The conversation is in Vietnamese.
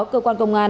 cơ quan công an